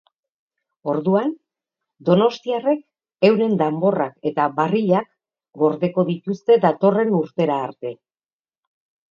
Orduan, donostiarrek euren danborrak eta barrilak gordeko dituzte datorren urtera arte.